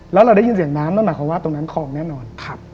แล้วเราได้ยินเสียงน้ำนั่นหมายความว่าตรงนั้นคลองแน่นอน